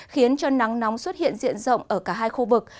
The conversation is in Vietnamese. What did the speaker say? khiến cho nắng nóng xuất hiện diện rộng ở cả hai khu vực